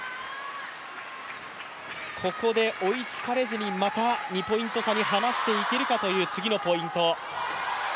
ここで追いつかれずにまた２ポイント差に離していけるかという次のポイント。